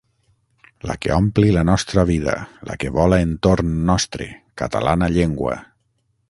La que ompli la nostra vida, la que vola entorn nostre, catalana llengua!